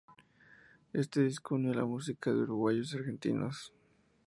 En este disco unió la música de uruguayos y argentinos.